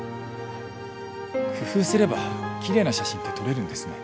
工夫すればきれいな写真って撮れるんですね。